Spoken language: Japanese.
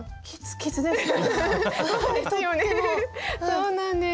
そうなんです。